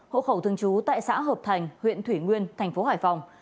hộ khẩu thường trú tại xã hợp thành huyện thủy nguyên thành phố hải phòng